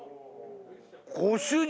ご主人！